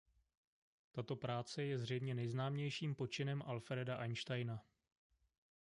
Tato práce je zřejmě nejznámějším počinem Alfreda Einsteina.